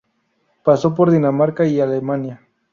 Pasó por Dinamarca y Alemania.